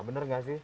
bener nggak sih